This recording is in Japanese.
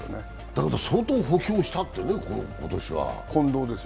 だけど相当補強したっていうね、今年は。